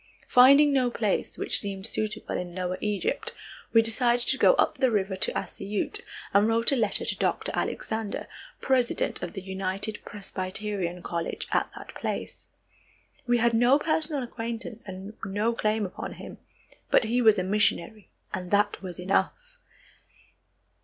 Finding no place which seemed suitable in lower Egypt, we decided to go up the river to Assiyut, and wrote a letter to Dr. Alexander, president of the United Presbyterian College at that place. We had no personal acquaintance and no claim upon him, but he was a missionary, and that was enough.